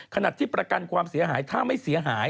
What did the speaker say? ขนาดที่ประกันความเสียหายถ้าไม่เสียหาย